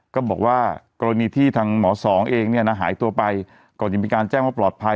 ก็บอกว่ากรณีที่ทางหมอสองเองเนี่ยนะหายตัวไปก่อนจะมีการแจ้งว่าปลอดภัย